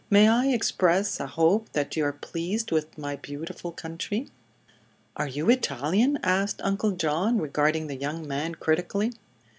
May I express a hope that you are pleased with my beautiful country?" "Are you Italian?" asked Uncle John, regarding the young man critically.